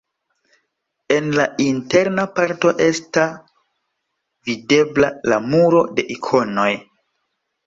En la interna parto esta videbla la muro de ikonoj.